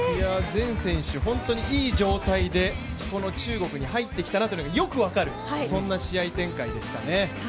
全選手、本当にいい状態でこの中国に入ってきたなというのがよく分かるそんな試合展開でしたね。